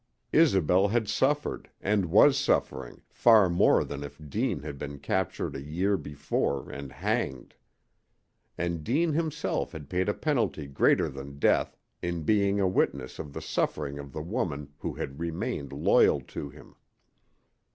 Isobel had suffered, and was suffering, far more than if Deane had been captured a year before and hanged. And Deane himself had paid a penalty greater than death in being a witness of the suffering of the woman who had remained loyal to him.